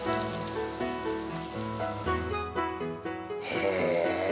へえ！